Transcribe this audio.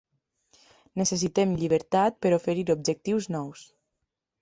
Necessitem llibertat per oferir objectius nous.